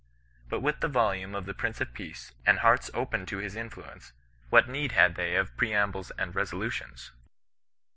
But with the volume of the Prince of Peace, and hearts open to his influence, what need had they of preambles and resolutions